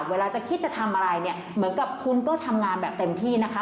เวลาจะคิดจะทำอะไรเนี่ยเหมือนกับคุณก็ทำงานแบบเต็มที่นะคะ